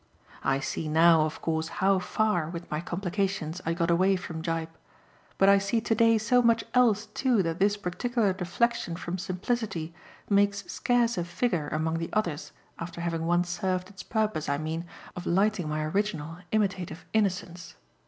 I see now of course how far, with my complications, I got away from Gyp; but I see to day so much else too that this particular deflexion from simplicity makes scarce a figure among the others after having once served its purpose, I mean, of lighting my original imitative innocence.